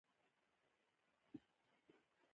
ښارونه د ټولو هیوادوالو لپاره لوی ویاړ دی.